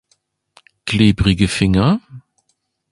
Klebrige Finger?